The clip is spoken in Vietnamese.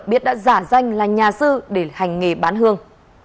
biết đã giả danh là nhà sư để hành nghề bán hương